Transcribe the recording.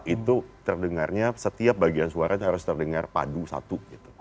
itu terdengarnya setiap bagian suara itu harus terdengar padu satu